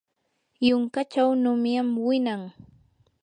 yunkachaw nunyam winan.